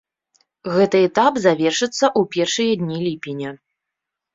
Гэты этап завершыцца ў першыя дні ліпеня.